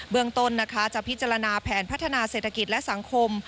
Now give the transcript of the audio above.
เมืองต้นนะคะจะพิจารณาแผนพัฒนาเศรษฐกิจและสังคม